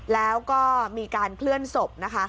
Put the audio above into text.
แล้วก็มีการเคลื่อนศพนะคะ